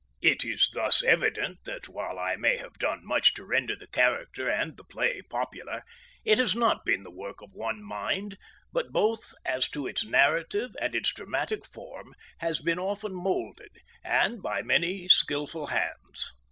It is thus evident that while I may have done much to render the character and the play popular, it has not been the work of one mind, but both as its to narrative and its dramatic form has been often moulded, and by many skilful hands.